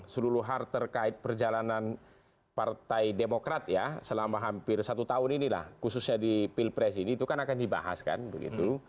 seluruh hal terkait perjalanan partai demokrat ya selama hampir satu tahun inilah khususnya di pilpres ini itu kan akan dibahas kan begitu